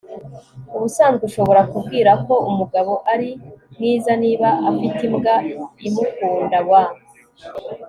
ubusanzwe ushobora kubwira ko umugabo ari mwiza niba afite imbwa imukunda - w